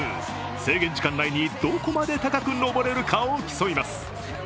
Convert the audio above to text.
制限時間内にどこまで高く登れるかを競います。